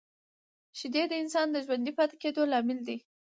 شیدې د انسان د ژوندي پاتې کېدو لامل دي